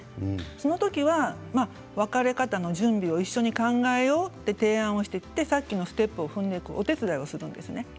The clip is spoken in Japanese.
その時は別れ方の準備を一緒に考えようという提案をしてさっきのステップをお手伝いするんです。